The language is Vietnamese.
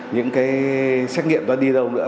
những cái xét nghiệm đó đi đâu nữa